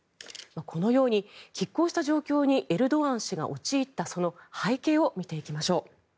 このようにきっ抗した状況にエルドアン氏が陥ったその背景を見ていきましょう。